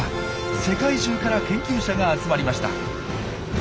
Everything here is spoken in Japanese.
世界中から研究者が集まりました。